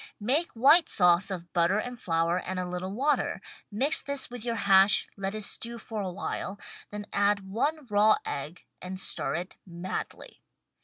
Make white sauce of butter and flour and a little water, mix this with your hash, let it stew for a while, then add one raw egg and stir it madly.